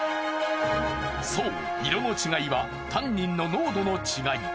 そう色の違いはタンニンの濃度の違い。